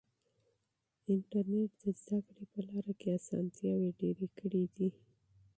انټرنیټ د زده کړې په لاره کې اسانتیاوې ډېرې کړې دي.